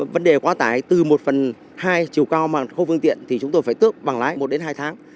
vấn đề quá tải từ một phần hai chiều cao mà khu phương tiện thì chúng tôi phải tước bằng lái một đến hai tháng